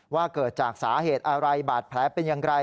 ว่าเกิดจากสาเหตุอะไรบาดแผลเป็นอย่างไร